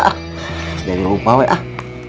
mas jangan lupa weh ah